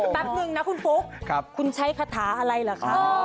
แป๊บนึงนะคุณฟุ๊กคุณใช้คาถาอะไรเหรอคะ